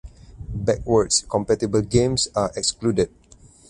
Backwards compatible games are excluded.